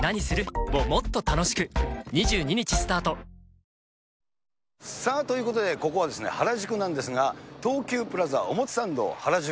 「ディアナチュラ」さあ、ということで、ここはですね、原宿なんですが、東急プラザ表参道原宿。